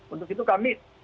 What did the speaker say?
untuk itu kami